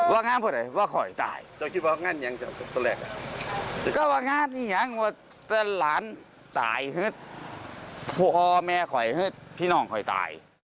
ว่าถ้าหลานตายพ่อแม่ค่อยพี่น้องค่อยตาย